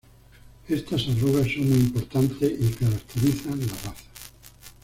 Estas arrugas son muy importantes y caracterizan la raza.